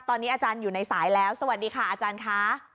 ตอนนี้อาจารย์อยู่ในสายแล้วสวัสดีค่ะอาจารย์ค่ะ